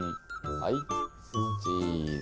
はいチーズ。